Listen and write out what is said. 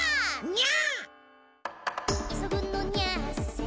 にゃ！